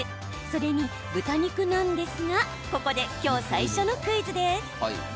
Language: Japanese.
それに豚肉なんですがここで今日、最初のクイズです。